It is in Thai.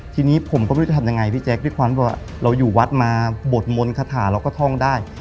ทีนี้ผมก็ไม่รู้จะทำยังไงพี่แจ๊คด้วยความที่ว่าเราอยู่วัดมาบทมนต์คาถาเราก็ท่องได้